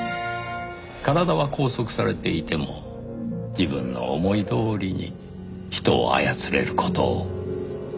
体は拘束されていても自分の思いどおりに人を操れる事を。